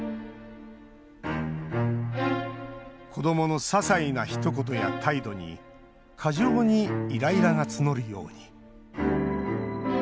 子どものささいなひと言や態度に過剰にイライラが募るように。